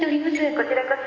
こちらこそ。